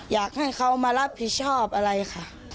อยากให้เขามารับผิดชอบอะไรค่ะ